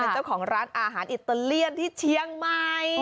เจ้าของร้านอาหารอิตาเลียนที่เชียงใหม่